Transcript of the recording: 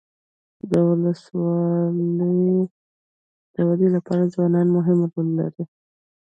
د ولسواکۍ د ودي لپاره ځوانان مهم رول لري.